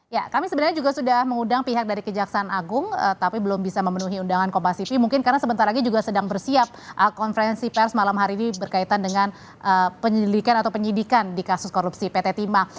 ya kami sebenarnya juga sudah mengundang pihak dari kejaksaan agung tapi belum bisa memenuhi undangan kompas sipi mungkin karena sebentar lagi juga sedang bersiap konferensi pers malam hari ini berkaitan dengan penyelidikan atau penyidikan di kasus korupsi pt timah